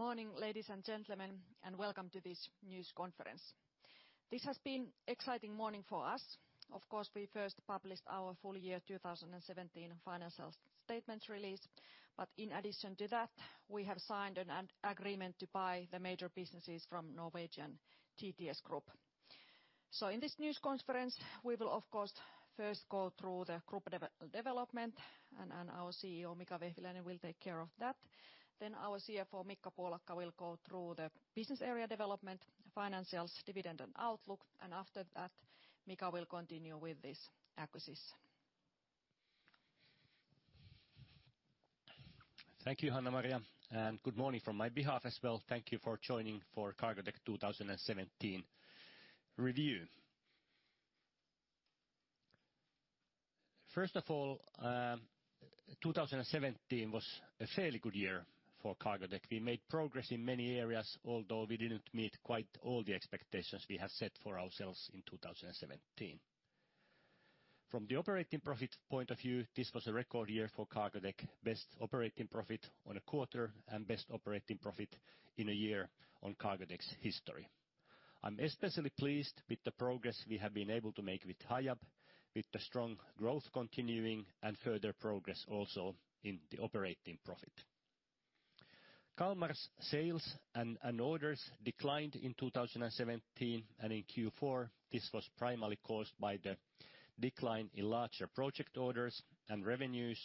Good morning, ladies and gentlemen, welcome to this news conference. This has been exciting morning for us. Of course, we first published our full year 2017 financial statements release. In addition to that, we have signed an agreement to buy the major businesses from Norwegian TTS Group. In this news conference, we will of course first go through the group development, and our CEO, Mika Vehviläinen will take care of that. Our CFO, Mikko Puolakka, will go through the business area development, financials, dividend and outlook. After that, Mika will continue with this acquisition. Thank you, Hanna-Maria. Good morning from my behalf as well. Thank you for joining for Cargotec 2017 review. First of all, 2017 was a fairly good year for Cargotec. We made progress in many areas, although we didn't meet quite all the expectations we had set for ourselves in 2017. From the operating profit point of view, this was a record year for Cargotec. Best operating profit on a quarter and best operating profit in a year on Cargotec's history. I'm especially pleased with the progress we have been able to make with Hiab, with the strong growth continuing and further progress also in the operating profit. Kalmar's sales and orders declined in 2017 and in Q4. This was primarily caused by the decline in larger project orders and revenues.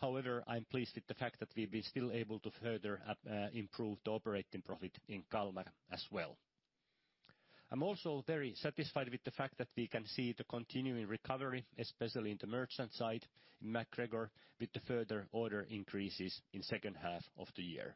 However, I'm pleased with the fact that we've been still able to further improve the operating profit in Kalmar as well. I'm also very satisfied with the fact that we can see the continuing recovery, especially in the merchant side in MacGregor, with the further order increases in second half of the year.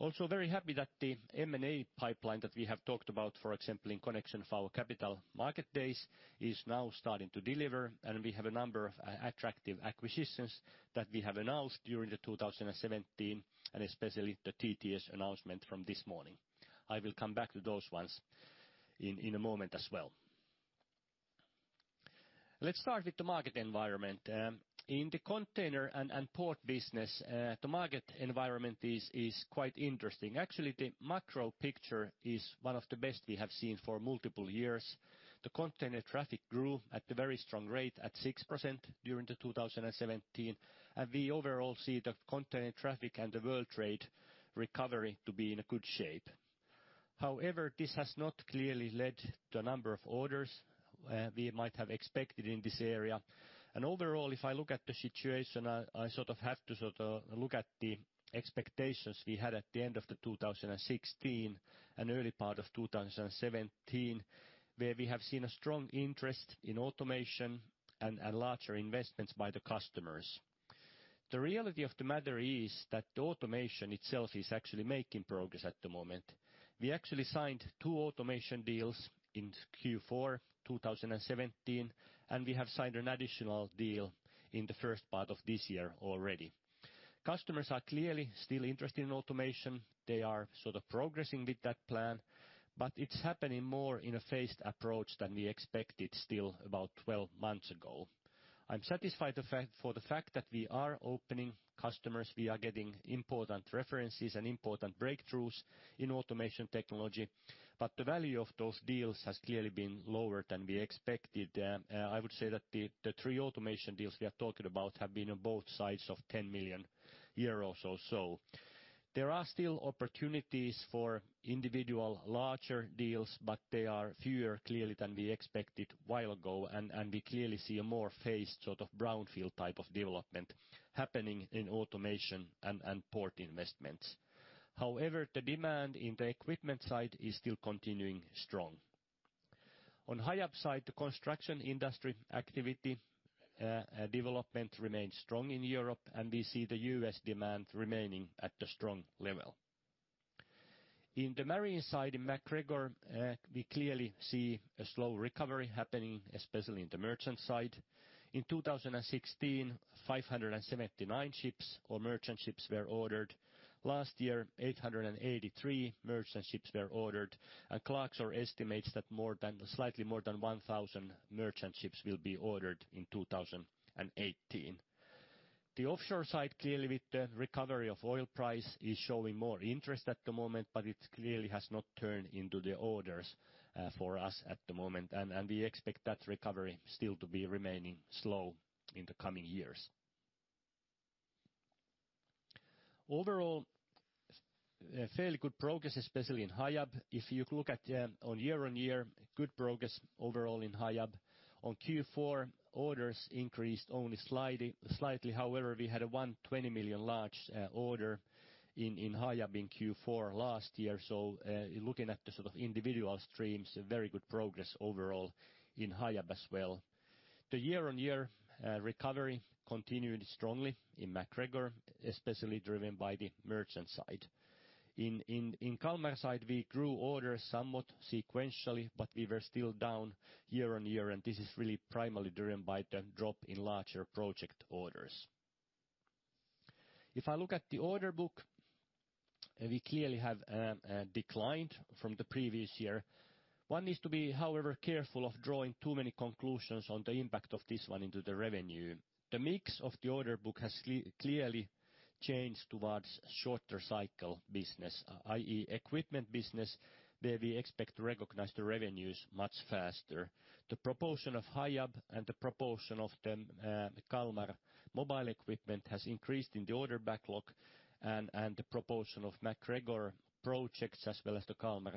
Also very happy that the M&A pipeline that we have talked about, for example, in connection with our Capital Markets Day, is now starting to deliver, and we have a number of attractive acquisitions that we have announced during 2017, and especially the TTS announcement from this morning. I will come back to those ones in a moment as well. Let's start with the market environment. In the container and port business, the market environment is quite interesting. Actually, the macro picture is one of the best we have seen for multiple years. The container traffic grew at a very strong rate at 6% during 2017. We overall see the container traffic and the world trade recovery to be in a good shape. However, this has not clearly led to a number of orders, we might have expected in this area. Overall, if I look at the situation, I sort of have to sort of look at the expectations we had at the end of 2016 and early part of 2017, where we have seen a strong interest in automation and larger investments by the customers. The reality of the matter is that the automation itself is actually making progress at the moment. We actually signed two automation deals in Q4 2017. We have signed an additional deal in the first part of this year already. Customers are clearly still interested in automation. They are sort of progressing with that plan. It's happening more in a phased approach than we expected still about 12 months ago. I'm satisfied for the fact that we are opening customers, we are getting important references and important breakthroughs in automation technology. The value of those deals has clearly been lower than we expected. I would say that the three automation deals we are talking about have been on both sides of 10 million euros or so. There are still opportunities for individual larger deals, but they are fewer clearly than we expected while ago, and we clearly see a more phased sort of brownfield type of development happening in automation and port investments. However, the demand in the equipment side is still continuing strong. On Hiab side, the construction industry activity development remains strong in Europe, and we see the U.S. demand remaining at a strong level. In the marine side, in MacGregor, we clearly see a slow recovery happening, especially in the merchant side. In 2016, 579 ships or merchant ships were ordered. Last year, 883 merchant ships were ordered. Clarkson estimates that more than, slightly more than 1,000 merchant ships will be ordered in 2018. The offshore side, clearly with the recovery of oil price, is showing more interest at the moment, it clearly has not turned into the orders for us at the moment. We expect that recovery still to be remaining slow in the coming years. Overall, fairly good progress, especially in Hiab. If you look at year-on-year, good progress overall in Hiab. On Q4, orders increased only slightly. However, we had a 120 million large order in Hiab in Q4 last year. Looking at the sort of individual streams, very good progress overall in Hiab as well. The year-on-year recovery continued strongly in MacGregor, especially driven by the merchant side. In Kalmar side, we grew orders somewhat sequentially, but we were still down year-on-year. This is really primarily driven by the drop in larger project orders. If I look at the order book, we clearly have declined from the previous year. One needs to be, however, careful of drawing too many conclusions on the impact of this one into the revenue. The mix of the order book has clearly changed towards shorter cycle business, i.e. equipment business, where we expect to recognize the revenues much faster. The proportion of Hiab and the proportion of the Kalmar mobile equipment has increased in the order backlog and the proportion of MacGregor projects, as well as the Kalmar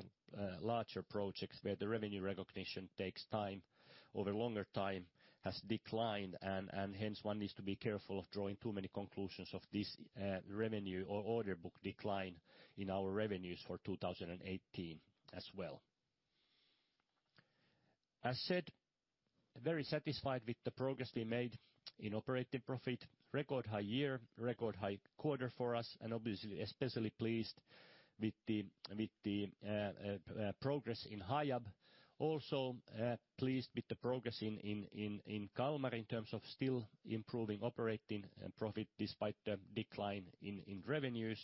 larger projects where the revenue recognition takes time, over longer time has declined and hence one needs to be careful of drawing too many conclusions of this revenue or order book decline in our revenues for 2018 as well. As said, very satisfied with the progress we made in operating profit, record high year, record high quarter for us, and obviously especially pleased with the progress in Hiab. Also, pleased with the progress in Kalmar in terms of still improving operating and profit despite the decline in revenues.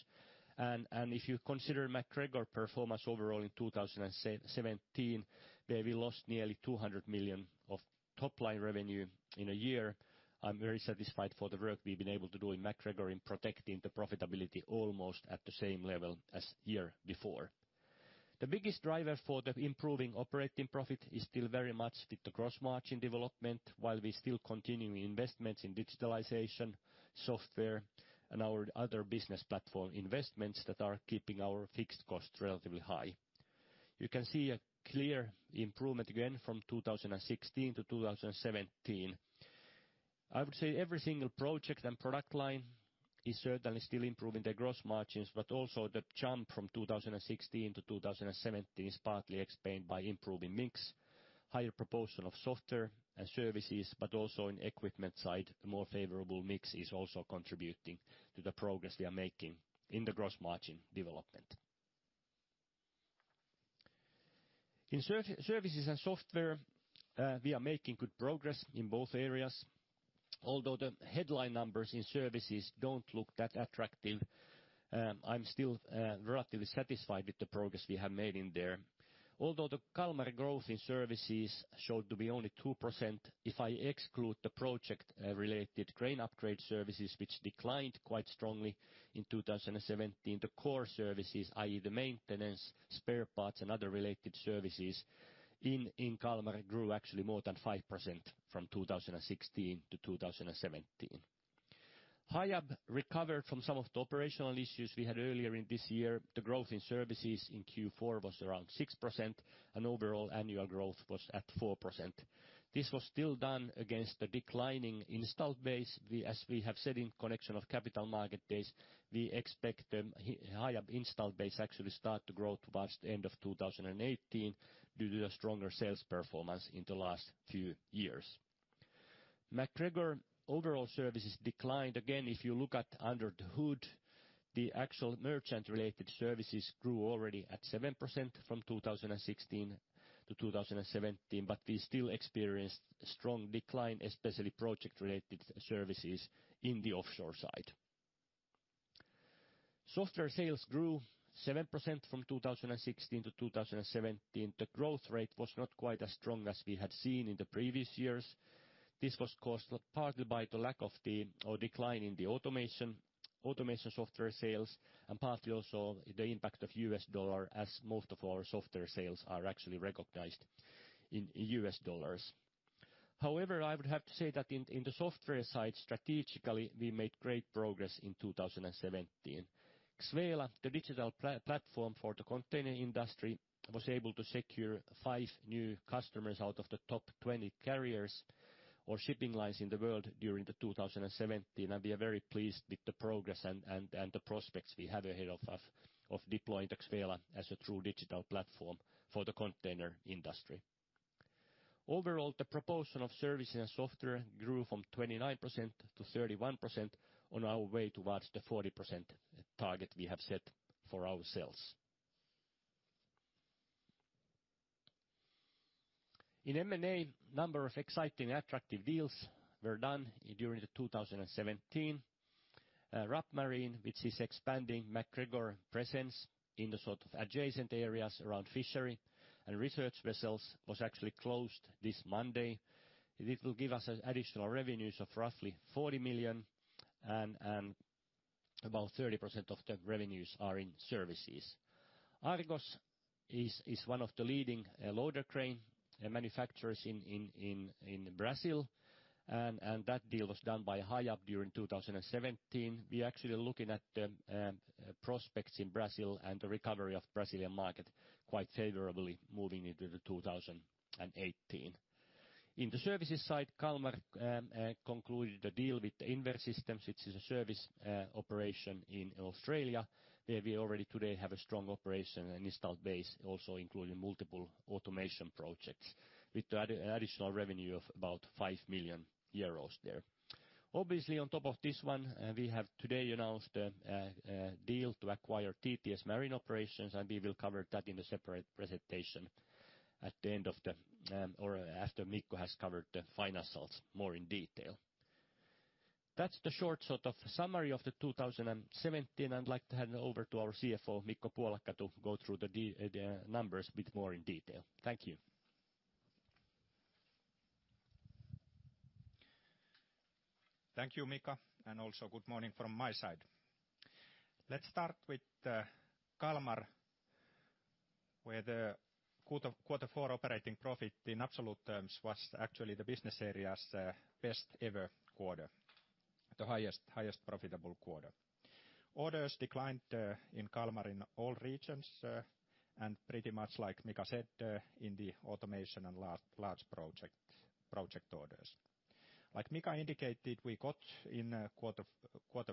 If you consider MacGregor performance overall in 2017, where we lost nearly 200 million of top line revenue in a year, I'm very satisfied for the work we've been able to do in MacGregor in protecting the profitability almost at the same level as year before. The biggest driver for the improving operating profit is still very much with the gross margin development, while we still continue investments in digitalization, software, and our other business platform investments that are keeping our fixed costs relatively high. You can see a clear improvement again from 2016-2017. I would say every single project and product line is certainly still improving the gross margins, but also the jump from 2016-2017 is partly explained by improving mix, higher proportion of software and services, but also in equipment side, the more favorable mix is also contributing to the progress we are making in the gross margin development. In services and software, we are making good progress in both areas. Although the headline numbers in services don't look that attractive, I'm still relatively satisfied with the progress we have made in there. Although the Kalmar growth in services showed to be only 2%, if I exclude the project related crane upgrade services, which declined quite strongly in 2017, the core services, i.e. the maintenance, spare parts, and other related services in Kalmar grew actually more than 5% from 2016-2017. Hiab recovered from some of the operational issues we had earlier in this year. The growth in services in Q4 was around 6% and overall annual growth was at 4%. This was still done against the declining installed base. We, as we have said in connection of Capital Market Days, we expect Hiab installed base actually start to grow towards the end of 2018 due to a stronger sales performance in the last few years. MacGregor overall services declined. Again, if you look at under the hood, the actual merchant-related services grew already at 7% from 2016-2017, but we still experienced strong decline, especially project-related services in the offshore side. Software sales grew 7% from 2016-2017. The growth rate was not quite as strong as we had seen in the previous years. This was caused partly by the lack of, or decline in the automation software sales and partly also the impact of U.S. dollar as most of our software sales are actually recognized in U.S. dollars. However, I would have to say that in the software side, strategically, we made great progress in 2017. XVELA, the digital platform for the container industry, was able to secure five new customers out of the top 20 carriers or shipping lines in the world during 2017. We are very pleased with the progress and the prospects we have ahead of us of deploying XVELA as a true digital platform for the container industry. Overall, the proportion of services and software grew from 29%-31% on our way towards the 40% target we have set for ourselves. In M&A, number of exciting attractive deals were done during 2017. Rapp Marine, which is expanding MacGregor presence in the sort of adjacent areas around fishery and research vessels was actually closed this Monday. It will give us an additional revenues of roughly 40 million and about 30% of the revenues are in services. Argos is one of the leading loader crane manufacturers in Brazil and that deal was done by Hiab during 2017. We're actually looking at prospects in Brazil and the recovery of Brazilian market quite favorably moving into 2018. In the services side, Kalmar concluded a deal with Inver Port Services, which is a service operation in Australia, where we already today have a strong operation and installed base, also including multiple automation projects with additional revenue of about 5 million euros there. Obviously, on top of this one, we have today announced a deal to acquire TTS Marine Operations, and we will cover that in a separate presentation at the end of the, or after Mikko has covered the financials more in detail. That's the short sort of summary of the 2017. I'd like to hand over to our CFO, Mikko Puolakka, to go through the numbers a bit more in detail. Thank you. Thank you, Mika. Also good morning from my side. Let's start with Kalmar, where the quarter four operating profit in absolute terms was actually the business area's best-ever quarter. The highest profitable quarter. Orders declined in Kalmar in all regions, and pretty much like Mika said, in the automation and large project orders. Like Mika indicated, we got in quarter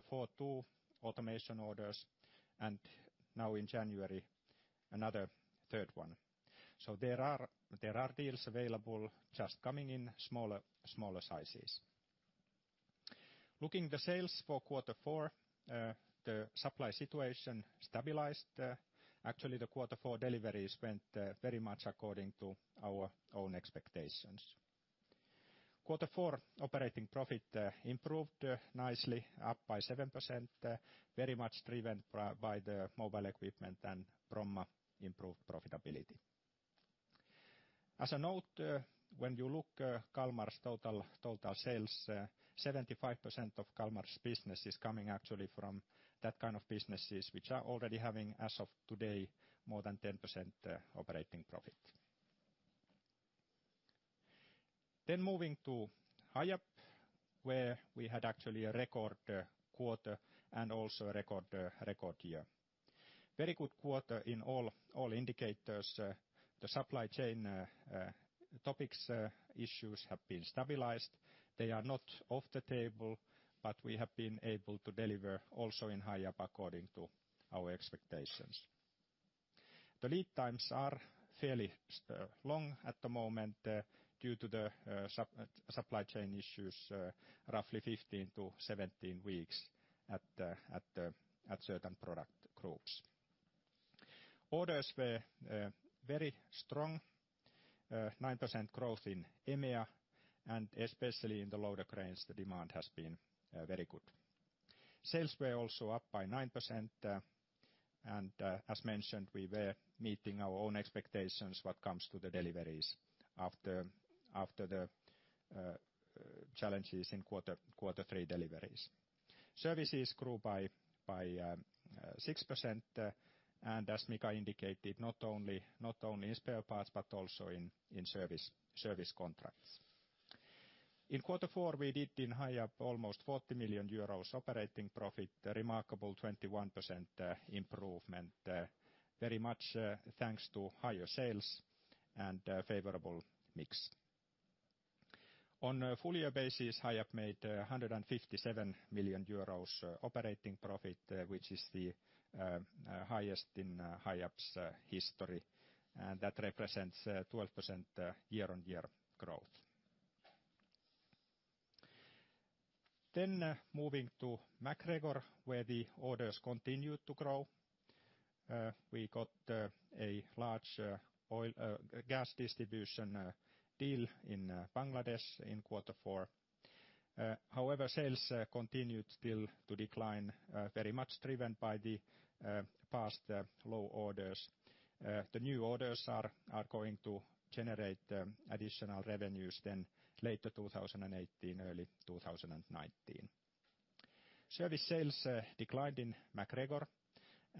four two automation orders, and now in January, another third one. There are deals available just coming in smaller sizes. Looking the sales for quarter four, the supply situation stabilized. Actually the quarter four deliveries went very much according to our own expectations. Quarter four operating profit improved nicely, up by 7%, very much driven by the mobile equipment and Bromma improved profitability. As a note, when you look, Kalmar's total sales, 75% of Kalmar's business is coming actually from that kind of businesses which are already having, as of today, more than 10% operating profit. Moving to Hiab, where we had actually a record quarter and also a record year. Very good quarter in all indicators. The supply chain topics, issues have been stabilized. They are not off the table, but we have been able to deliver also in Hiab according to our expectations. The lead times are fairly long at the moment, due to the supply chain issues, roughly 15-17 weeks at the certain product groups. Orders were very strong, 9% growth in EMEA and especially in the loader cranes, the demand has been very good. Sales were also up by 9%. As mentioned, we were meeting our own expectations what comes to the deliveries after the challenges in quarter three deliveries. Services grew by 6%. As Mika indicated, not only in spare parts, but also in service contracts. In quarter four, we did in Hiab almost 40 million euros operating profit, a remarkable 21% improvement. Very much thanks to higher sales and a favorable mix. On a full year basis, Hiab made 157 million euros operating profit, which is the highest in Hiab's history, and that represents 12% year-on-year growth. Moving to MacGregor, where the orders continued to grow. We got a large oil gas distribution deal in Bangladesh in quarter four. However, sales continued still to decline, very much driven by the past low orders. The new orders are going to generate additional revenues later 2018, early 2019. Service sales declined in MacGregor,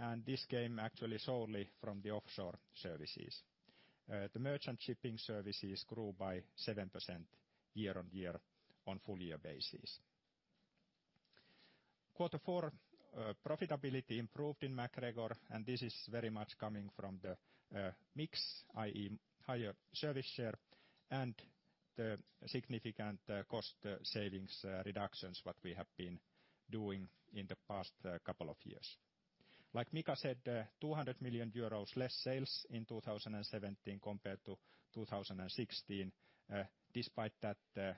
and this came actually solely from the offshore services. The merchant shipping services grew by 7% year-on-year on full year basis. Quarter four, profitability improved in MacGregor, and this is very much coming from the mix, i.e. higher service share, and the significant cost savings, reductions what we have been doing in the past couple of years. Like Mika said, 200 million euros less sales in 2017 compared to 2016. Despite that,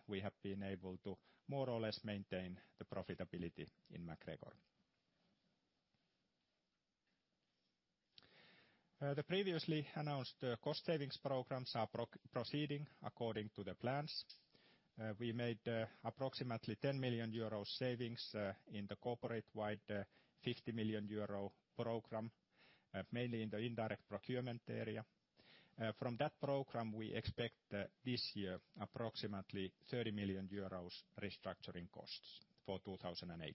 we have been able to more or less maintain the profitability in MacGregor. The previously announced cost savings programs are proceeding according to the plans. We made approximately 10 million euro savings in the corporate-wide 50 million euro program, mainly in the indirect procurement area. From that program, we expect this year approximately 30 million euros restructuring costs for 2018.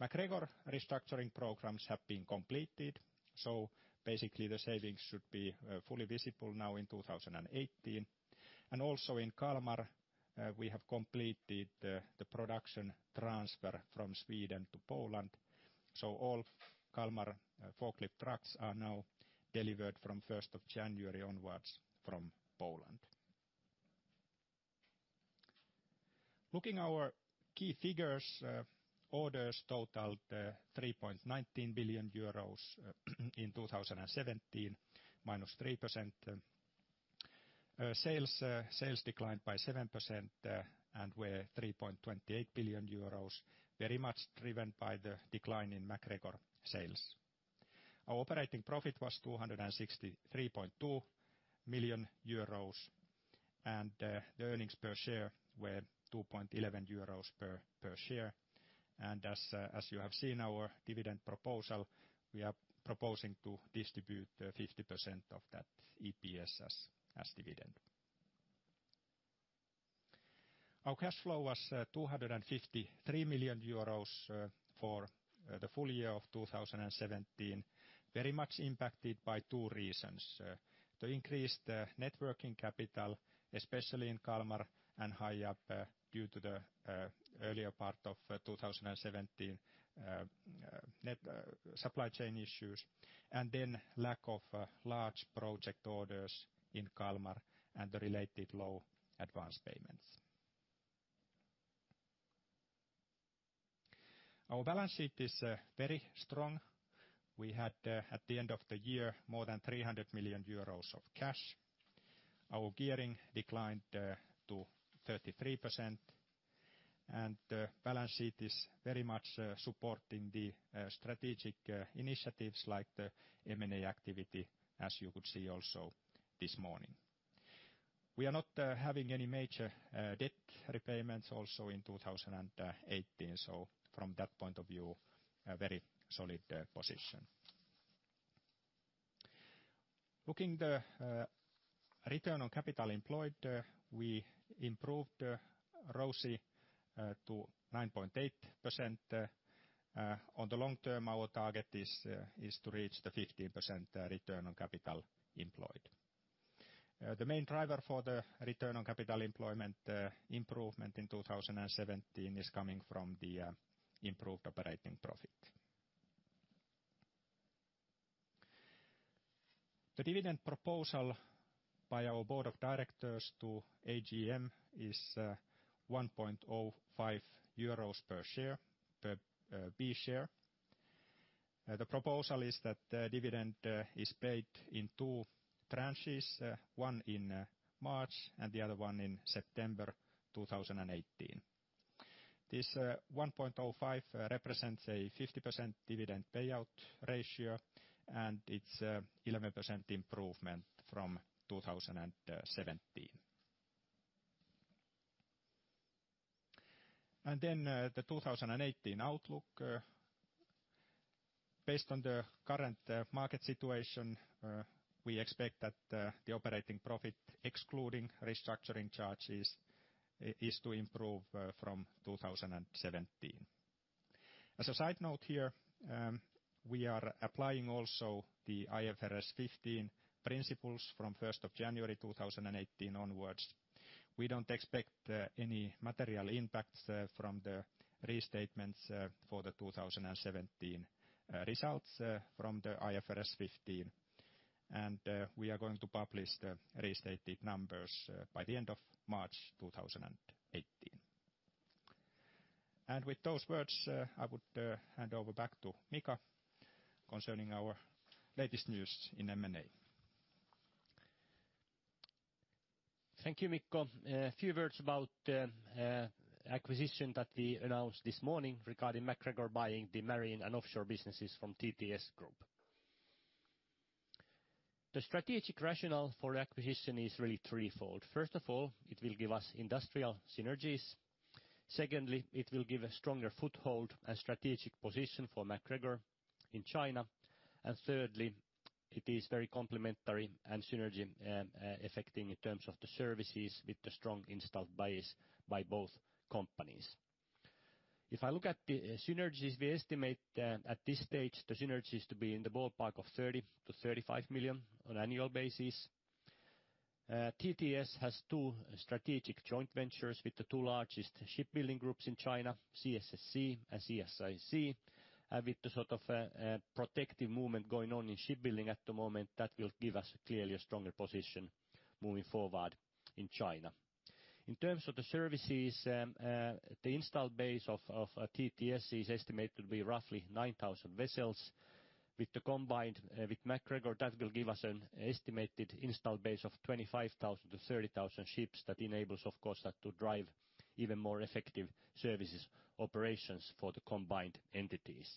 MacGregor restructuring programs have been completed, basically the savings should be fully visible now in 2018. Also in Kalmar, we have completed the production transfer from Sweden to Poland. All Kalmar forklift trucks are now delivered from 1st of January onwards from Poland. Looking our key figures, orders totaled 3.19 billion euros in 2017, -3%. Sales declined by 7%, and were 3.28 billion euros, very much driven by the decline in MacGregor sales. Our operating profit was 263.2 million euros, and the earnings per share were 2.11 euros per share. As you have seen our dividend proposal, we are proposing to distribute 50% of that EPS as dividend. Our cash flow was 253 million euros for the full year of 2017, very much impacted by two reasons. To increase the net working capital, especially in Kalmar and Hiab, due to the earlier part of 2017, net supply chain issues, and then lack of large project orders in Kalmar and the related low advance payments. Our balance sheet is very strong. We had at the end of the year, more than 300 million euros of cash. Our gearing declined to 33%. Balance sheet is very much supporting the strategic initiatives like the M&A activity, as you could see also this morning. We are not having any major debt repayments also in 2018, so from that point of view, a very solid position. Looking the Return on Capital Employed, we improved ROCE to 9.8%. On the long term, our target is to reach the 15% Return on Capital Employed. The main driver for the Return on Capital Employed improvement in 2017 is coming from the improved operating profit. The dividend proposal by our board of directors to AGM is 1.05 euros per share, per B share. The proposal is that the dividend is paid in two branches, one in March and the other one in September 2018. This 1.05 represents a 50% dividend payout ratio, and it's 11% improvement from 2017. The 2018 outlook. Based on the current market situation, we expect that the operating profit, excluding restructuring charges, is to improve from 2017. As a side note here, we are applying also the IFRS 15 principles from first of January 2018 onwards. We don't expect any material impacts from the restatements for the 2017 results from the IFRS 15. We are going to publish the restated numbers by the end of March 2018. With those words, I would hand over back to Mika concerning our latest news in M&A. Thank you, Mikko. A few words about acquisition that we announced this morning regarding MacGregor buying the marine and offshore businesses from TTS Group. The strategic rationale for acquisition is really threefold. First of all, it will give us industrial synergies. Secondly, it will give a stronger foothold and strategic position for MacGregor in China. Thirdly, it is very complementary and synergy effecting in terms of the services with the strong installed base by both companies. If I look at the synergies, we estimate at this stage, the synergies to be in the ballpark of 30 million-35 million on annual basis. TTS has two strategic joint ventures with the two largest shipbuilding groups in China, CSSC and CSIC. With the sort of protective movement going on in shipbuilding at the moment, that will give us clearly a stronger position moving forward in China. In terms of the services, the installed base of TTS is estimated to be roughly 9,000 vessels. With the combined with MacGregor, that will give us an estimated installed base of 25,000-30,000 ships that enables, of course, that to drive even more effective services operations for the combined entities.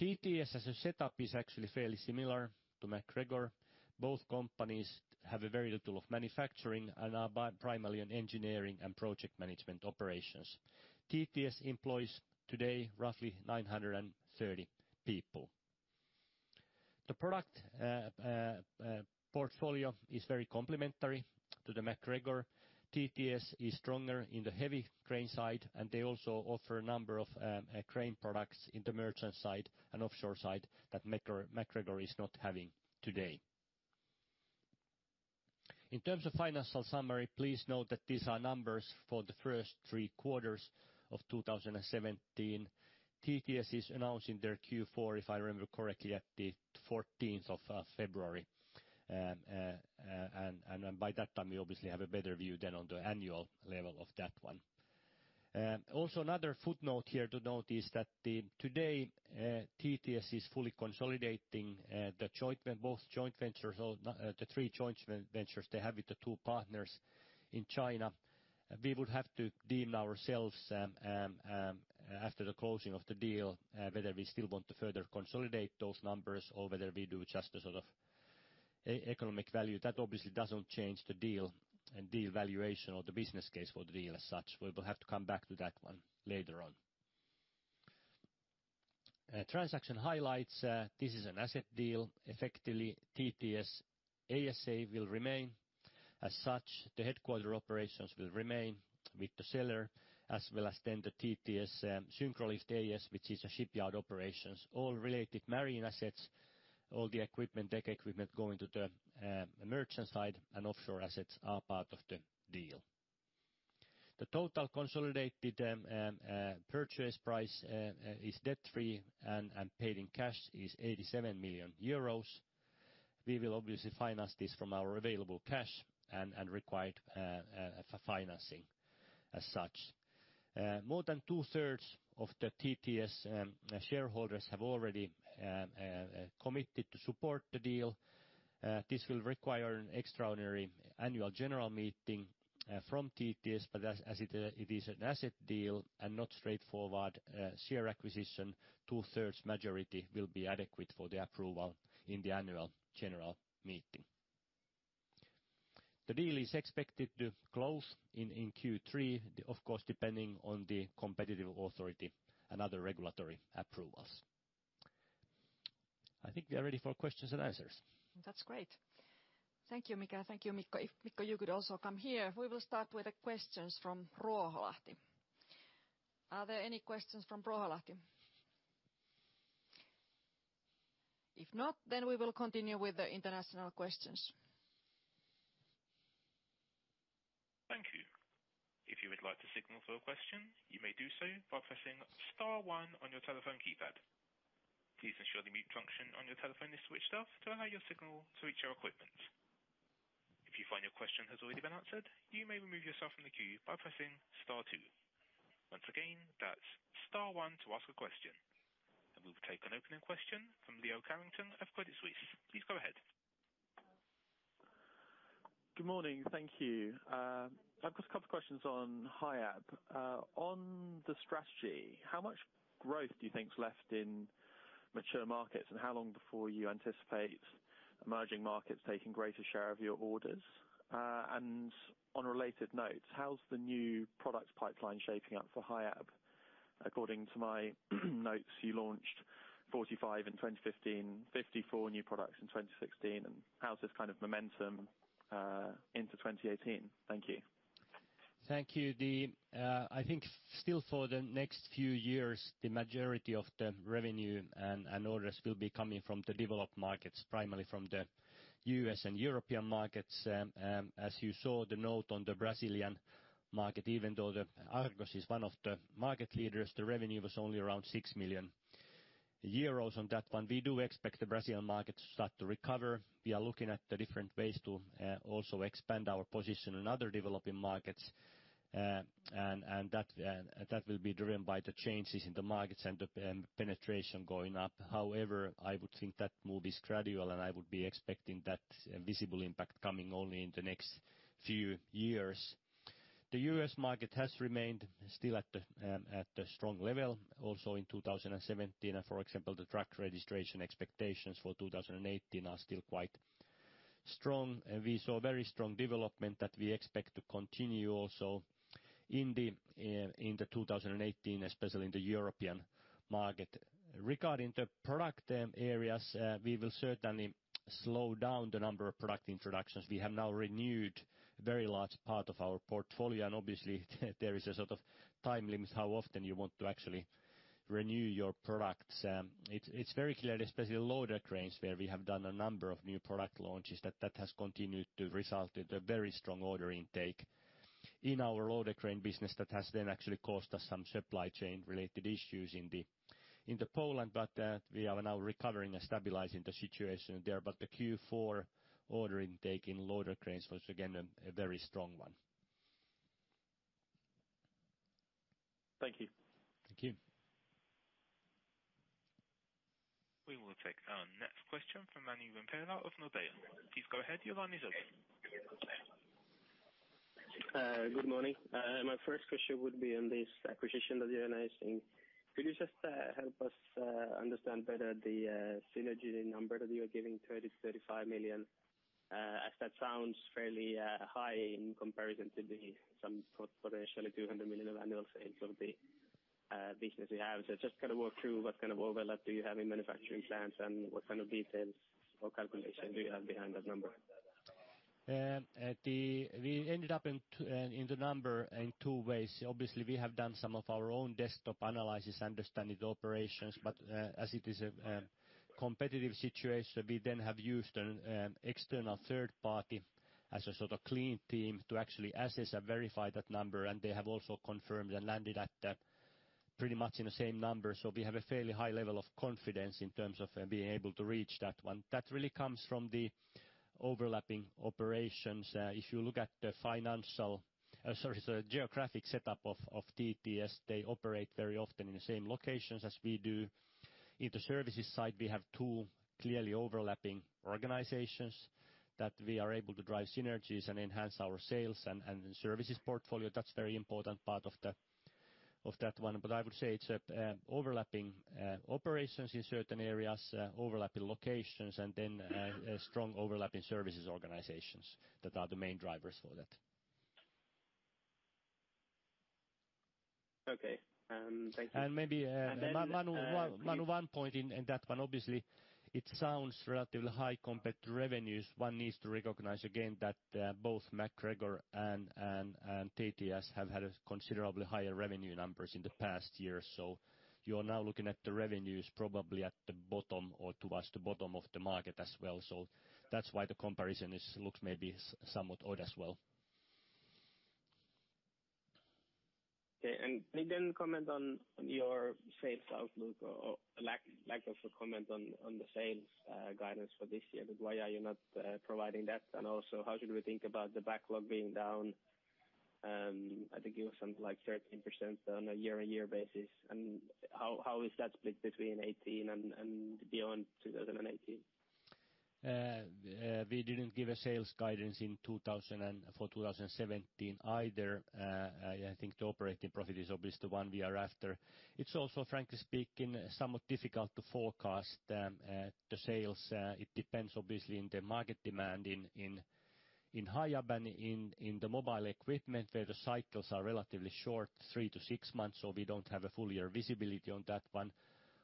TTS as a setup is actually fairly similar to MacGregor. Both companies have a very little of manufacturing and are primarily on engineering and project management operations. TTS employs today roughly 930 people. The product portfolio is very complementary to the MacGregor. TTS is stronger in the heavy crane side, they also offer a number of crane products in the merchant side and offshore side that MacGregor is not having today. In terms of financial summary, please note that these are numbers for the first three quarters of 2017. TTS is announcing their Q4, if I remember correctly, at the 14th of February. By that time, we obviously have a better view than on the annual level of that one. Also another footnote here to note is that today, TTS is fully consolidating both joint ventures or the three joint ventures they have with the two partners in China. We would have to deem ourselves after the closing of the deal, whether we still want to further consolidate those numbers or whether we do just economic value, that obviously doesn't change the deal and deal valuation or the business case for the deal as such. We will have to come back to that one later on. Transaction highlights, this is an asset deal. Effectively, TTS ASA will remain. As such, the headquarter operations will remain with the seller, as well as then the TTS Syncrolift AS, which is a shipyard operations, all related marine assets, all the equipment, deck equipment going to the merchant side and offshore assets are part of the deal. The total consolidated purchase price is debt-free and paid in cash is 87 million euros. We will obviously finance this from our available cash and required for financing as such. More than two-thirds of the TTS shareholders have already committed to support the deal. This will require an extraordinary annual general meeting from TTS, but as it is an asset deal and not straightforward share acquisition, two-thirds majority will be adequate for the approval in the annual general meeting. The deal is expected to close in Q3, of course, depending on the competitive authority and other regulatory approvals. I think we are ready for questions and answers. That's great. Thank you, Mika. Thank you, Mikko. If Mikko, you could also come here. We will start with the questions from Ruoholahti. Are there any questions from Ruoholahti? If not, we will continue with the international questions. Thank you. If you would like to signal for a question, you may do so by pressing star one on your telephone keypad. Please ensure the mute function on your telephone is switched off to allow your signal to reach our equipment. If you find your question has already been answered, you may remove yourself from the queue by pressing star two. Once again, that's star one to ask a question. We'll take an opening question from Leo Carrington of Credit Suisse. Please go ahead. Good morning. Thank you. I've got a couple of questions on Hiab. On the strategy, how much growth do you think is left in mature markets, and how long before you anticipate emerging markets taking greater share of your orders? On a related note, how's the new product pipeline shaping up for Hiab? According to my notes, you launched 45 in 2015, 54 new products in 2016. How is this kind of momentum into 2018? Thank you. Thank you, Lee. I think still for the next few years, the majority of the revenue and orders will be coming from the developed markets, primarily from the U.S. and European markets. As you saw the note on the Brazilian market, even though the Argos is one of the market leaders, the revenue was only around 6 million euros on that one. We do expect the Brazilian market to start to recover. We are looking at the different ways to also expand our position in other developing markets. That will be driven by the changes in the markets and the penetration going up. However, I would think that move is gradual, and I would be expecting that visible impact coming only in the next few years. The U.S. market has remained still at the, at the strong level also in 2017. For example, the truck registration expectations for 2018 are still quite strong. We saw very strong development that we expect to continue also in the, in the 2018, especially in the European market. Regarding the product, areas, we will certainly slow down the number of product introductions. We have now renewed very large part of our portfolio, and obviously there is a sort of time limits how often you want to actually renew your products. It's very clear, especially Loader cranes, where we have done a number of new product launches that has continued to result in a very strong order intake in our Loader crane business that has then actually caused us some supply chain related issues in the Poland. We are now recovering and stabilizing the situation there. The Q4 order intake in Loader cranes was again a very strong one. Thank you. Thank you. We will take our next question from Manu Rimpelä of Nordea. Please go ahead, your line is open. Good morning. My first question would be on this acquisition that you're announcing. Could you just help us understand better the synergy, the number that you are giving, 30 million-35 million, as that sounds fairly high in comparison to the potentially 200 million of annual sales of the business you have. Just kind of walk through what kind of overlap do you have in manufacturing plants and what kind of details or calculation do you have behind that number? We ended up in the number in two ways. Obviously, we have done some of our own desktop analysis, understanding the operations, but as it is a competitive situation, we then have used an external third party as a sort of clean team to actually assess and verify that number. They have also confirmed and landed at pretty much in the same number. We have a fairly high level of confidence in terms of being able to reach that one. That really comes from the overlapping operations. If you look at the financial, sorry, the geographic setup of TTS, they operate very often in the same locations as we do. In the services side, we have two clearly overlapping organizations that we are able to drive synergies and enhance our sales and services portfolio. That's very important part of that one. I would say it's overlapping operations in certain areas, overlapping locations, then a strong overlap in services organizations that are the main drivers for that. Okay. Thank you. maybe. And then, uh- Manu, one point in that one, obviously it sounds relatively high compared to revenues. One needs to recognize again that both MacGregor and TTS have had considerably higher revenue numbers in the past year. You are now looking at the revenues probably at the bottom or towards the bottom of the market as well. That's why the comparison looks maybe somewhat odd as well. Okay. Can you then comment on your sales outlook or lack of a comment on the sales guidance for this year? Why are you not providing that? How should we think about the backlog being down, I think it was something like 13% on a year-on-year basis, and how is that split between 2018 and beyond 2018? We didn't give a sales guidance for 2017 either. I think the operating profit is obviously the one we are after. It's also, frankly speaking, somewhat difficult to forecast the sales. It depends obviously on the market demand in Hiab, but in the mobile equipment, where the cycles are relatively short, three to six months, so we don't have a full year visibility on that one.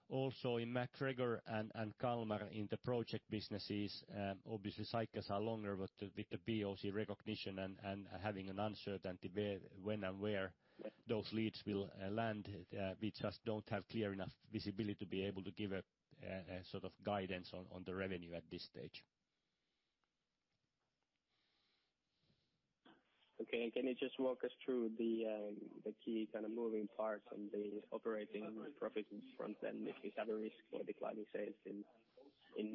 Also in MacGregor and Kalmar, in the project businesses, obviously cycles are longer, but with the BOC recognition and having an uncertainty where, when and where those leads will land, we just don't have clear enough visibility to be able to give a sort of guidance on the revenue at this stage. Can you just walk us through the key kind of moving parts on the operating profit front, then, if you have a risk for declining sales in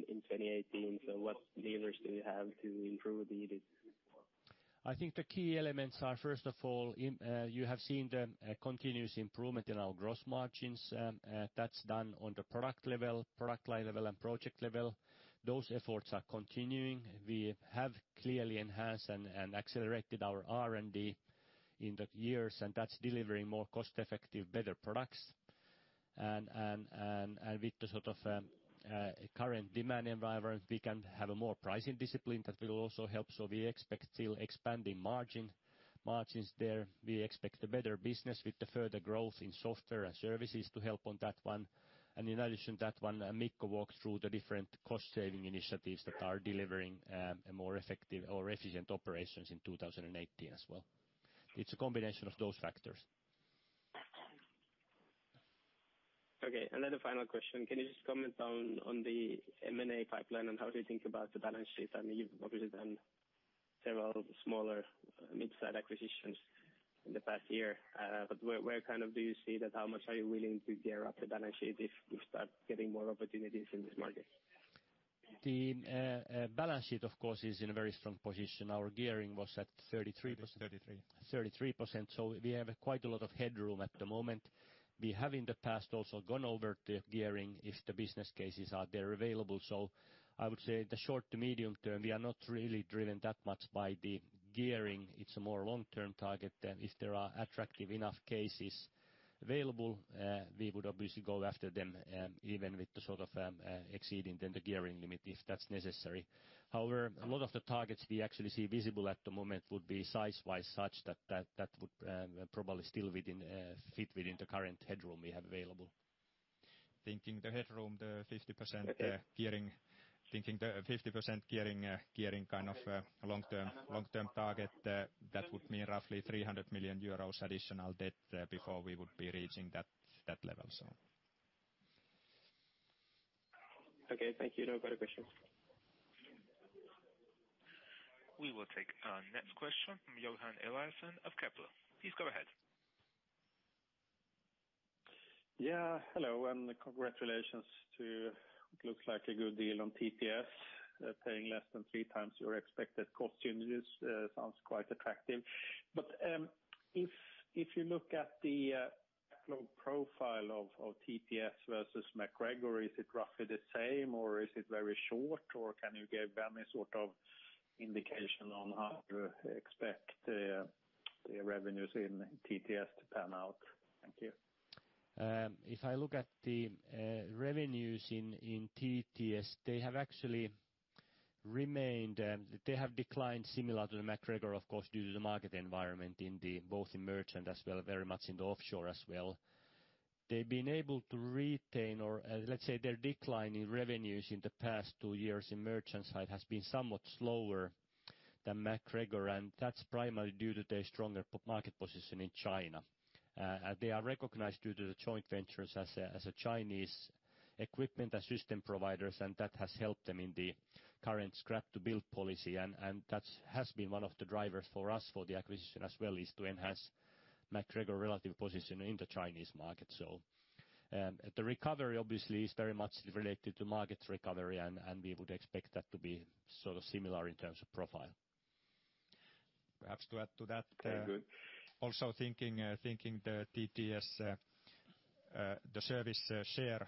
2018? What levers do you have to improve the EBIT? I think the key elements are first of all, you have seen the continuous improvement in our gross margins. That's done on the product level, product line level and project level. Those efforts are continuing. We have clearly enhanced and accelerated our R&D in the years, and that's delivering more cost effective, better products. With the sort of current demand environment, we can have a more pricing discipline that will also help. So we expect still expanding margins there. We expect a better business with the further growth in software and services to help on that one. In addition to that one, Mikko walked through the different cost saving initiatives that are delivering a more effective or efficient operations in 2018 as well. It's a combination of those factors. Okay. Then a final question. Can you just comment on the M&A pipeline and how do you think about the balance sheet? I mean, you've obviously done several smaller mid-sized acquisitions in the past year. Where kind of do you see that? How much are you willing to gear up the balance sheet if you start getting more opportunities in this market? The balance sheet of course, is in a very strong position. Our gearing was at 33%. 33. 33%. We have quite a lot of headroom at the moment. We have in the past also gone over the gearing if the business cases are there available. I would say the short to medium term, we are not really driven that much by the gearing. It's a more long-term target. If there are attractive enough cases available, we would obviously go after them, even with the sort of exceeding the gearing limit if that's necessary. However, a lot of the targets we actually see visible at the moment would be size-wise such that that would probably still fit within the current headroom we have available. Thinking the headroom, the 50% gearing, long-term target, that would mean roughly 300 million euros additional debt, before we would be reaching that level, so. Okay, thank you. No further questions. We will take our next question from Johan Eliason of Kepler. Please go ahead. Yeah, hello, and congratulations to what looks like a good deal on TTS. Paying less than 3x your expected cost synergies, sounds quite attractive. If you look at the backlog profile of TTS versus MacGregor, is it roughly the same or is it very short, or can you give any sort of indication on how to expect the revenues in TTS to pan out? Thank you. If I look at the revenues in TTS, they have actually remained, they have declined similar to the MacGregor, of course, due to the market environment, both in merchant as well, very much in the offshore as well. They've been able to retain or, let's say their decline in revenues in the past two years in merchant side has been somewhat slower than MacGregor. That's primarily due to their stronger market position in China. They are recognized due to the joint ventures as a Chinese equipment and system providers. That has helped them in the current scrap and build policy. That has been one of the drivers for us for the acquisition as well, is to enhance MacGregor relative position in the Chinese market. The recovery obviously is very much related to market recovery and we would expect that to be sort of similar in terms of profile. Perhaps to add to that... Very good. also thinking the TTS. The service, share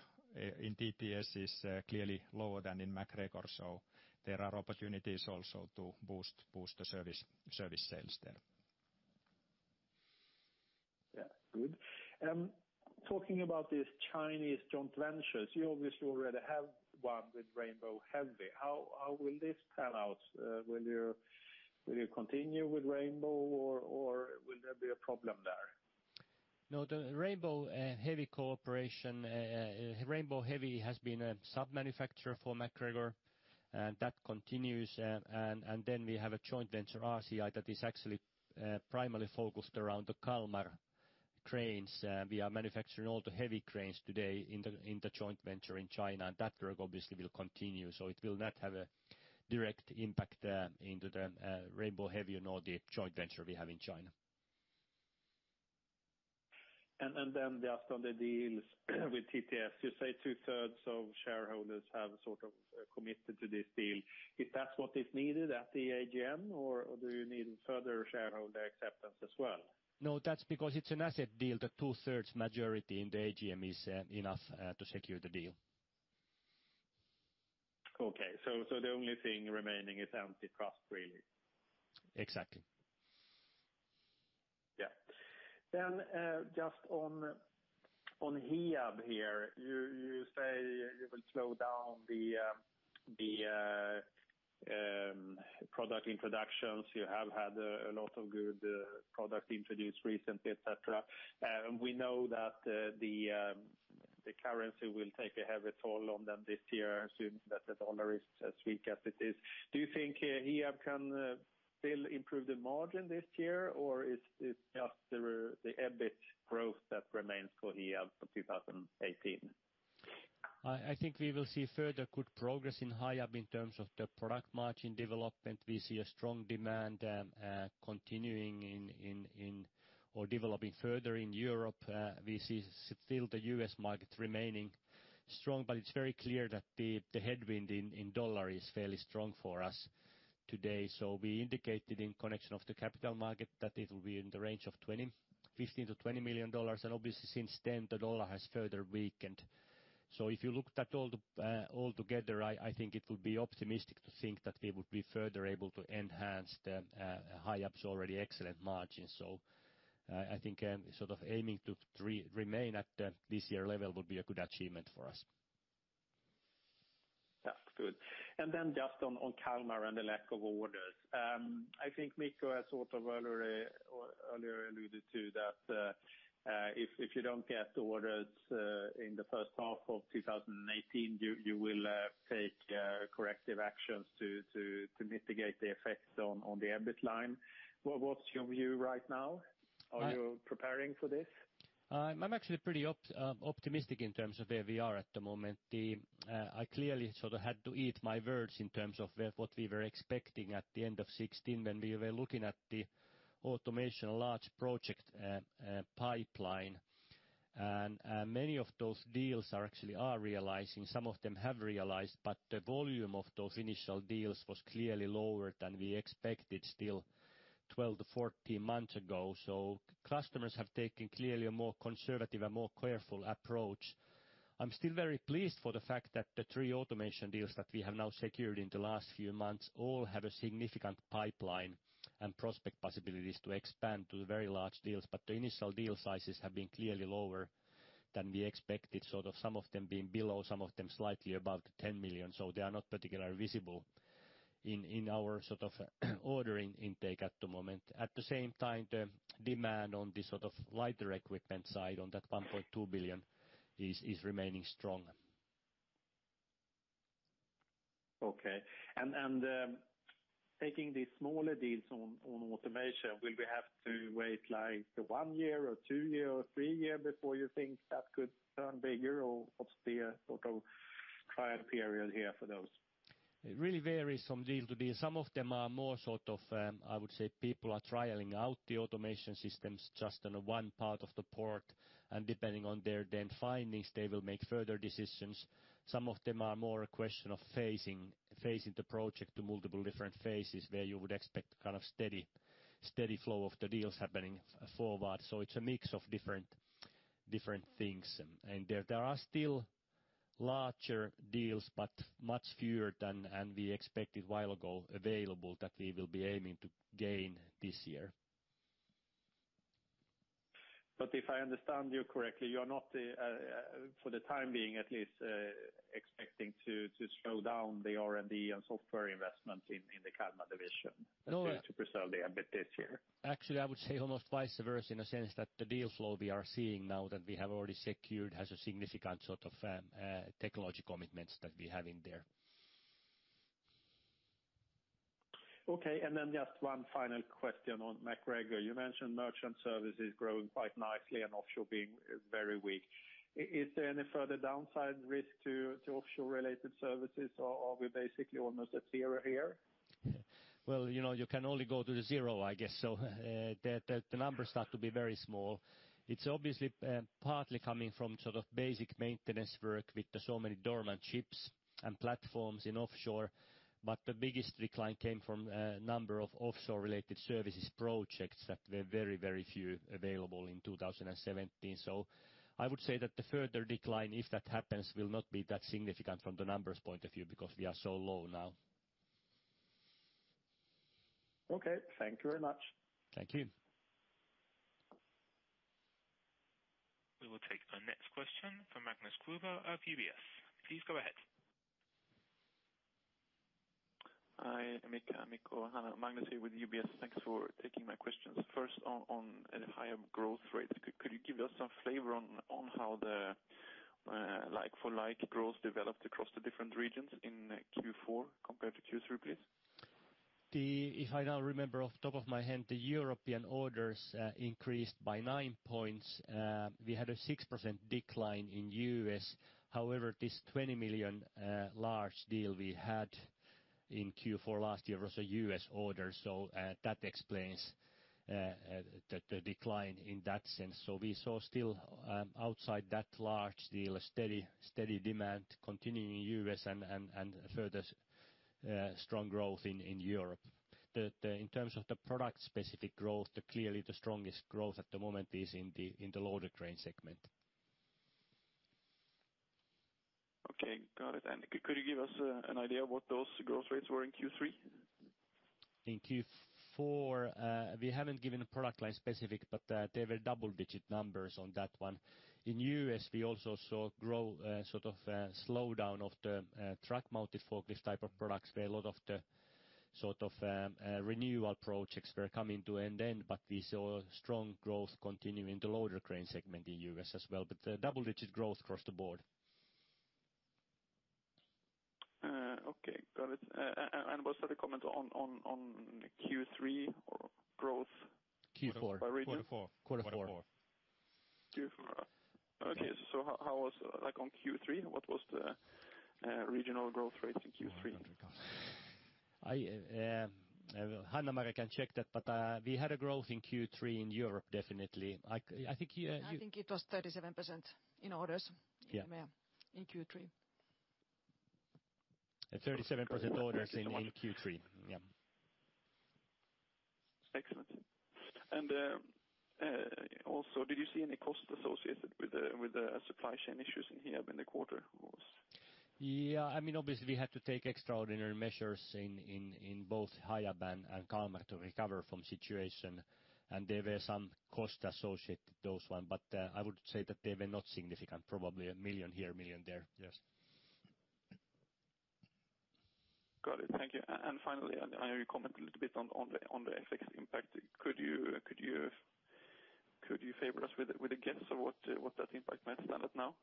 in TTS is clearly lower than in MacGregor, so there are opportunities also to boost the service sales there. Yeah. Good. Talking about these Chinese joint ventures, you obviously already have one with Rainbow Heavy. How will this pan out? Will you continue with Rainbow or will there be a problem there? The Rainbow Heavy cooperation, Rainbow Heavy has been a sub-manufacturer for MacGregor, and that continues. We have a joint venture, RCI, that is actually primarily focused around the Kalmar cranes. We are manufacturing all the heavy cranes today in the joint venture in China, and that work obviously will continue. It will not have a direct impact into the Rainbow Heavy and all the joint venture we have in China. Just on the deals with TTS, you say two-thirds of shareholders have sort of committed to this deal. Is that what is needed at the AGM, or do you need further shareholder acceptance as well? No, that's because it's an asset deal. The two-thirds majority in the AGM is enough to secure the deal. Okay. The only thing remaining is antitrust really. Exactly. Yeah. Just on Hiab here, you say you will slow down the product introductions. You have had a lot of good products introduced recently, et cetera. We know that the currency will take a heavy toll on them this year, assuming that the dollar is as weak as it is. Do you think Hiab can still improve the margin this year, or is just the EBIT growth that remains for Hiab for 2018? I think we will see further good progress in Hiab in terms of the product margin development. We see a strong demand continuing in or developing further in Europe. We see still the U.S. market remaining strong, but it's very clear that the headwind in U.S. dollar is fairly strong for us today. We indicated in connection of the capital market that it will be in the range of $15 million-$20 million. Obviously since then, the U.S. dollar has further weakened. If you looked at all together, I think it would be optimistic to think that we would be further able to enhance Hiab's already excellent margins. I think, sort of aiming to remain at this year level would be a good achievement for us. Yeah. Good. Then just on Kalmar and the lack of orders. I think Mikko has sort of earlier alluded to that, if you don't get the orders in the first half of 2018, you will take corrective actions to mitigate the effects on the EBIT line. What's your view right now? Are you preparing for this? I'm actually pretty optimistic in terms of where we are at the moment. The I clearly sort of had to eat my words in terms of where, what we were expecting at the end of 2016 when we were looking at the automation large project pipeline. Many of those deals are actually realizing. Some of them have realized, but the volume of those initial deals was clearly lower than we expected still 12 months-14 months ago. Customers have taken clearly a more conservative, a more careful approach. I'm still very pleased for the fact that the three automation deals that we have now secured in the last few months all have a significant pipeline and prospect possibilities to expand to very large deals. The initial deal sizes have been clearly lower than we expected, sort of some of them being below, some of them slightly above 10 million. They are not particularly visible in our sort of ordering intake at the moment. At the same time, the demand on the sort of lighter equipment side on that 1.2 billion is remaining strong. Okay. taking these smaller deals on automation, will we have to wait like the one year or two year or three year before you think that could turn bigger or what's the sort of trial period here for those? It really varies from deal to deal. Some of them are more sort of, I would say people are trialing out the automation systems just on the one part of the port, and depending on their then findings, they will make further decisions. Some of them are more a question of phasing the project to multiple different phases where you would expect kind of steady flow of the deals happening forward. It's a mix of different things. There are still larger deals, but much fewer than we expected a while ago available that we will be aiming to gain this year. If I understand you correctly, you are not for the time being at least, expecting to slow down the R&D and software investments in the Kalmar division? No. to preserve the EBIT this year. I would say almost vice versa in a sense that the deal flow we are seeing now that we have already secured has a significant sort of technology commitments that we have in there. Okay. Just one final question on MacGregor. You mentioned merchant services growing quite nicely and offshore being very weak. Is there any further downside risk to offshore-related services or are we basically almost at zero here? Well, you know, you can only go to the zero, I guess. The numbers start to be very small. It's obviously partly coming from sort of basic maintenance work with so many dormant ships and platforms in offshore. The biggest decline came from a number of offshore-related services projects that were very, very few available in 2017. I would say that the further decline, if that happens, will not be that significant from the numbers point of view because we are so low now. Okay. Thank you very much. Thank you. We will take our next question from Magnus Olsvik of UBS. Please go ahead. Hi, Mika. Magnus here with UBS. Thanks for taking my questions. First on higher growth rates. Could you give us some flavor on how the like for like growth developed across the different regions in Q4 compared to Q3, please? If I now remember off the top of my head, the European orders increased by nine points. We had a 6% decline in U.S. However, this 20 million large deal we had in Q4 last year was a U.S. order, that explains the decline in that sense. We saw still, outside that large deal, a steady demand continuing in U.S. and further strong growth in Europe. In terms of the product-specific growth, clearly the strongest growth at the moment is in the Loader crane segment. Okay, got it. Could you give us an idea of what those growth rates were in Q3? In Q4, we haven't given a product line specific, they were double-digit numbers on that one. In U.S., we also saw grow, sort of, slowdown of the truck-mounted forklift type of products, where a lot of the sort of, renewal projects were coming to an end. We saw strong growth continuing the loader crane segment in U.S. as well. Double-digit growth across the board. Okay. Got it. Was there a comment on Q3 or growth? Q4. by region? Quarter four. Quarter four. Quarter four. Q4. Okay. How was, like, on Q3? What was the regional growth rate in Q3? I, Hanna-Mari can check that, but, we had a growth in Q3 in Europe, definitely. I think you. I think it was 37% in orders- Yeah. in May, in Q3. A 37% orders in Q3. Yeah. Excellent. Also, did you see any costs associated with the supply chain issues in here when the quarter was? Yeah. I mean, obviously we had to take extraordinary measures in both Hiab and Kalmar to recover from situation. There were some costs associated those one, but I would say that they were not significant. Probably 1 million here, 1 million there. Yes. Got it. Thank you. Finally, I know you commented a little bit on the FX impact. Could you favor us with a guess of what that impact might stand at now?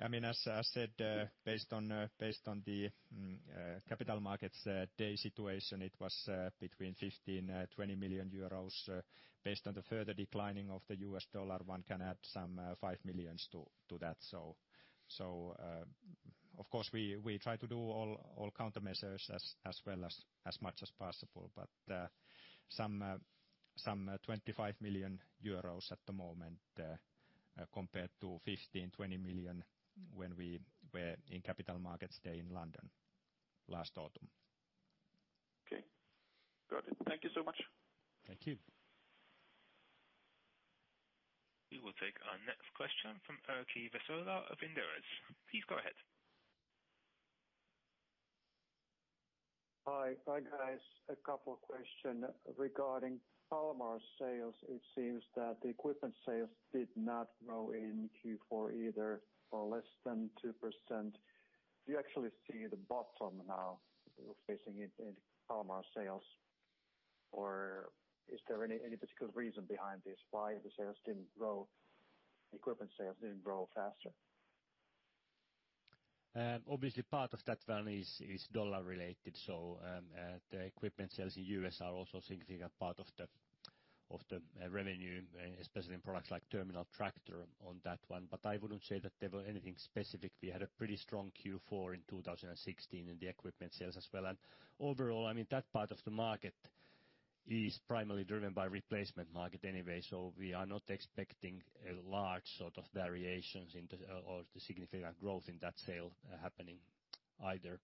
I mean, as I said, based on, based on the Capital Markets Day situation, it was between 15 million-20 million euros. Based on the further declining of the U.S. dollar, one can add some 5 million to that. Of course, we try to do all countermeasures as well as much as possible. Some 25 million euros at the moment, compared to 15 million-20 million when we were in Capital Markets Day in London last autumn. Okay. Got it. Thank you so much. Thank you. We will take our next question from Erkki Vesola of Inderes. Please go ahead. Hi. Hi, guys. A couple of question regarding Kalmar sales. It seems that the equipment sales did not grow in Q4 either or less than 2%. Do you actually see the bottom now you're facing in Kalmar sales? Is there any particular reason behind this why the sales didn't grow, equipment sales didn't grow faster? Obviously part of that one is dollar-related. The equipment sales in the U.S. are also a significant part of the revenue, especially in products like terminal tractor on that one. I wouldn't say that there were anything specific. We had a pretty strong Q4 in 2016 in the equipment sales as well. Overall, I mean, that part of the market is primarily driven by replacement market anyway. We are not expecting a large sort of variations in the or the significant growth in that sale happening either.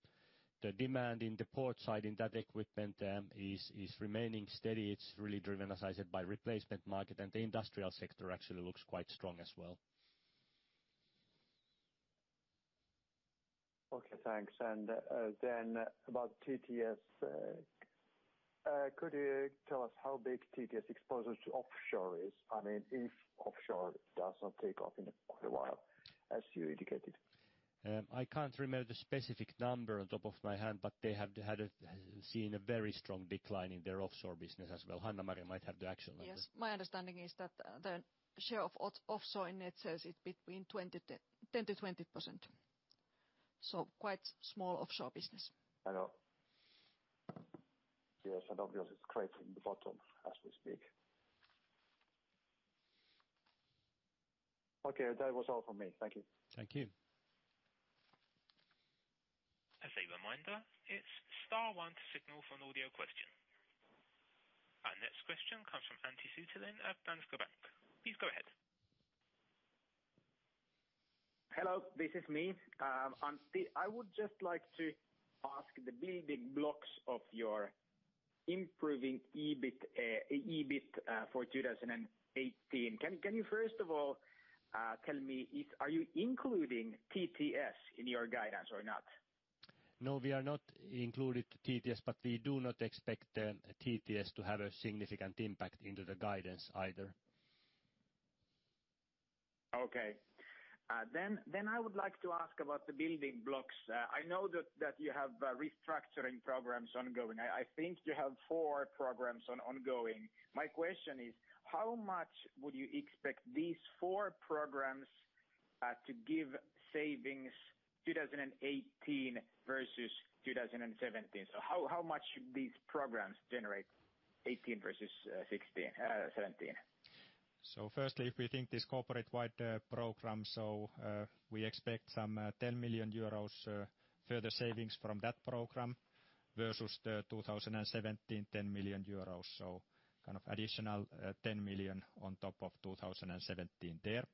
The demand in the port side in that equipment is remaining steady. It's really driven, as I said, by replacement market. The industrial sector actually looks quite strong as well. Okay, thanks. Then about TTS. Could you tell us how big TTS exposure to offshore is? I mean, if offshore does not take off in a quite a while, as you indicated. I can't remember the specific number on top of my head, but they have seen a very strong decline in their offshore business as well. Hanna-Mari might have the actual number. My understanding is that the share of offshore in net sales is between 10%-20%. Quite small offshore business. I know. Yes, obviously it's crashing the bottom as we speak. Okay, that was all from me. Thank you. Thank you. As a reminder, it's star one to signal for an audio question. Our next question comes from Antti Suttelin at Danske Bank. Please go ahead. Hello, this is me. Antti, I would just like to ask the building blocks of your improving EBIT for 2018. Can you first of all, tell me if are you including TTS in your guidance or not? We are not included TTS, but we do not expect TTS to have a significant impact into the guidance either. Okay. Then I would like to ask about the building blocks. I know that you have restructuring programs ongoing. I think you have four programs ongoing. My question is how much would you expect these four programs to give savings 2018 versus 2017? How much these programs generate 2018 versus 2016, 2017? Firstly, if we think this corporate-wide program, we expect some 10 million euros further savings from that program versus the 2017 10 million euros. Kind of additional 10 million on top of 2017 there.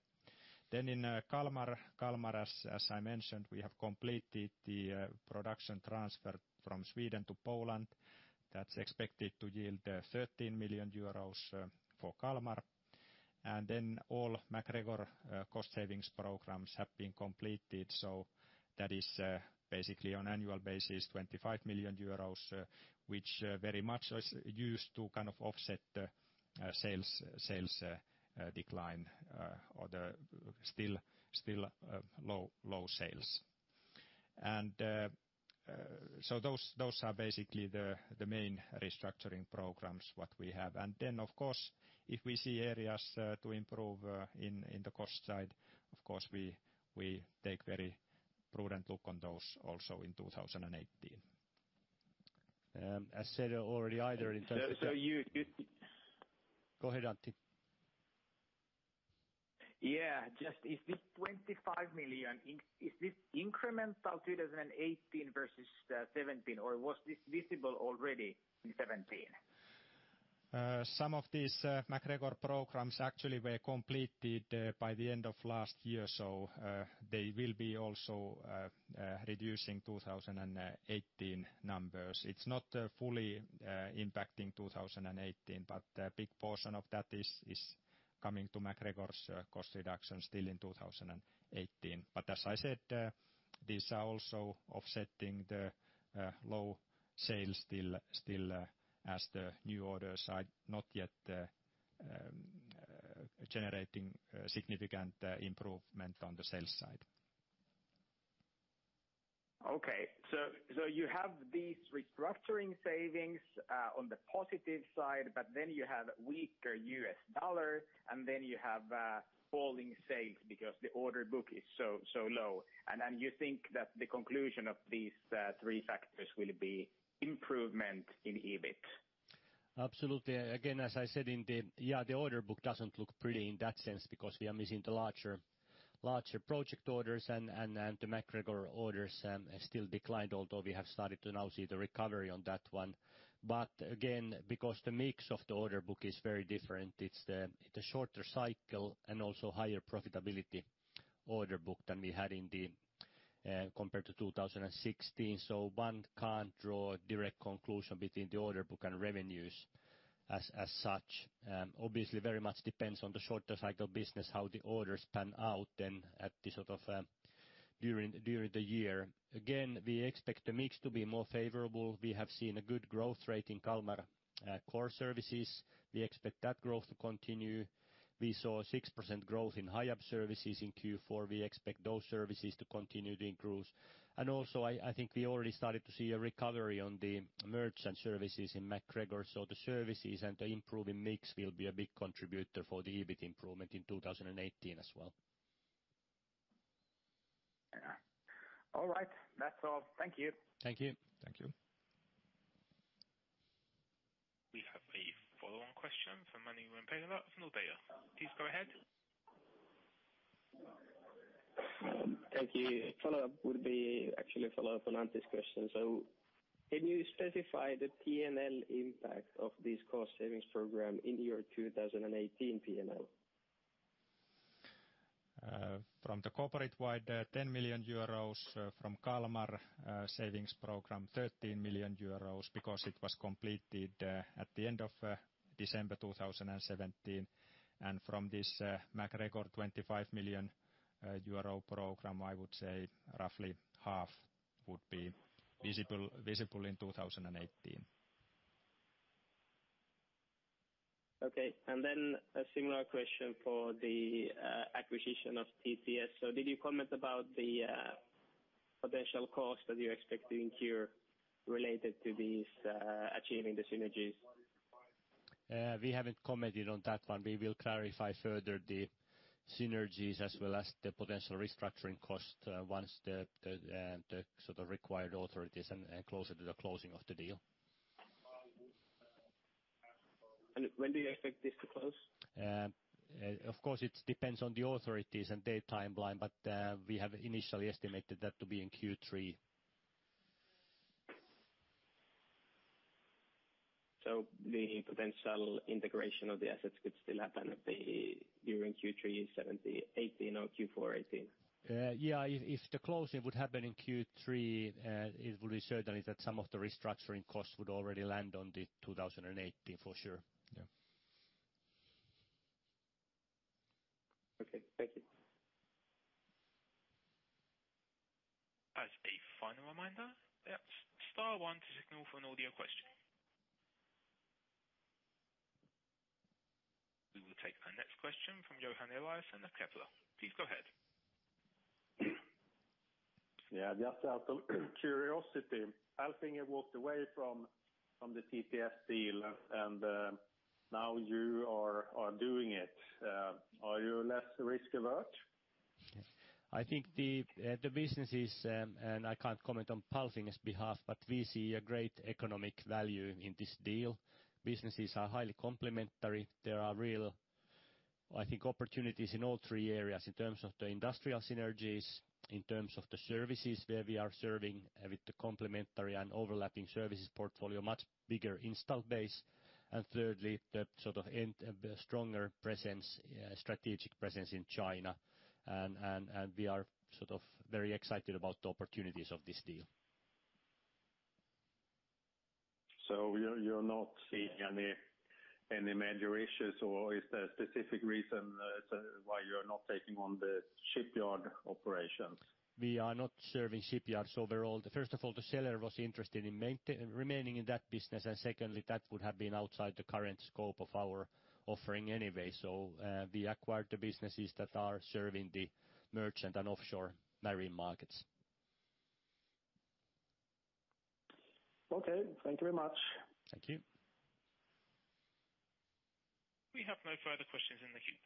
In Kalmar. Kalmar, as I mentioned, we have completed the production transfer from Sweden to Poland. That's expected to yield 13 million euros for Kalmar. All MacGregor cost savings programs have been completed. That is basically on annual basis, 25 million euros, which very much is used to kind of offset the sales decline, or the still low sales. Those are basically the main restructuring programs, what we have. Of course, if we see areas to improve in the cost side, of course, we take very prudent look on those also in 2018. As said already, You. Go ahead, Antti. Yeah, just is this 25 million, is this incremental 2018 versus 2017? Or was this visible already in 2017? Some of these MacGregor programs actually were completed by the end of last year. They will be also reducing 2018 numbers. It's not fully impacting 2018, but a big portion of that is coming to MacGregor's cost reduction still in 2018. As I said, these are also offsetting the low sales still as the new orders are not yet generating significant improvement on the sales side. Okay. You have these restructuring savings, on the positive side, you have weaker U.S. dollar, you have falling sales because the order book is so low. You think that the conclusion of these three factors will be improvement in EBIT? Absolutely. Again, as I said in the, yeah, the order book doesn't look pretty in that sense because we are missing the larger project orders and the MacGregor orders still declined, although we have started to now see the recovery on that one. Again, because the mix of the order book is very different, it's the shorter cycle and also higher profitability order book than we had in the compared to 2016. One can't draw a direct conclusion between the order book and revenues as such. Obviously very much depends on the shorter cycle business, how the orders pan out then at the sort of, during the year. We expect the mix to be more favorable. We have seen a good growth rate in Kalmar core services. We expect that growth to continue. We saw 6% growth in Hiab services in Q4. We expect those services to continue to increase. Also I think we already started to see a recovery on the merchant services in MacGregor. The services and the improving mix will be a big contributor for the EBIT improvement in 2018 as well. Yeah. All right. That's all. Thank you. Thank you. Thank you. We have a follow-on question from Manu Rimpelä from Nordea. Please go ahead. Thank you. Follow-up would be actually a follow-up on Antti's question. Can you specify the P&L impact of this cost savings program in your 2018 P&L? From the corporate-wide, 10 million euros, from Kalmar, savings program 13 million euros because it was completed at the end of December 2017. From this, MacGregor 25 million euro program, I would say roughly half would be visible in 2018. Okay. Then a similar question for the acquisition of TTS. Did you comment about the potential cost that you're expecting here related to these achieving the synergies? We haven't commented on that one. We will clarify further the synergies as well as the potential restructuring cost once the sort of required authorities and closer to the closing of the deal. When do you expect this to close? Of course, it depends on the authorities and their timeline, but we have initially estimated that to be in Q3. The potential integration of the assets could still happen at the, during Q3 18 or Q4 18? Yeah. If the closing would happen in Q3, it would be certainly that some of the restructuring costs would already land on the 2018 for sure. Yeah. Okay, thank you. As a final reminder, yeah, star one to signal for an audio question. We will take our next question from Johan Eliason at Kepler. Please go ahead. Yeah, just out of curiosity, Palfinger walked away from the TTS deal and now you are doing it. Are you less risk-averse? I think the business is, and I can't comment on Palfinger's behalf, but we see a great economic value in this deal. Businesses are highly complementary. There are real, I think, opportunities in all three areas in terms of the industrial synergies, in terms of the services where we are serving with the complementary and overlapping services portfolio, much bigger installed base. Thirdly, the sort of a stronger presence, strategic presence in China. We are sort of very excited about the opportunities of this deal. You're not seeing any major issues, or is there a specific reason why you're not taking on the shipyard operations? We are not serving shipyards overall. First of all, the seller was interested in remaining in that business, and secondly, that would have been outside the current scope of our offering anyway. We acquired the businesses that are serving the merchant and offshore marine markets. Okay, thank you very much. Thank you. We have no further questions in the queue.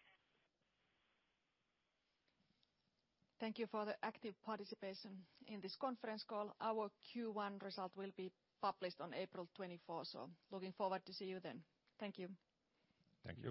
Thank you for the active participation in this conference call. Our Q1 result will be published on April 24th, looking forward to see you then. Thank you. Thank you.